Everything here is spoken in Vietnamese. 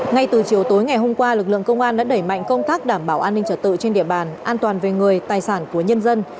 ngay từ chiều tối ngày hôm qua lực lượng công an đã đẩy mạnh công tác đảm bảo an ninh trật tự trên địa bàn an toàn về người tài sản của nhân dân